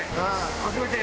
初めて。